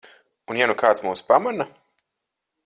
Un ja nu kāds mūs pamana?